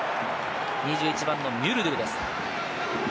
２１番のミュルドゥルです。